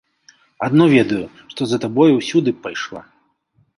Адно ведаю, што за табою ўсюды б пайшла.